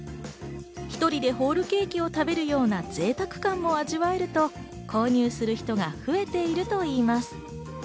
１人でホールケーキを食べるような贅沢感も味わえると購入する人が増えているといいます。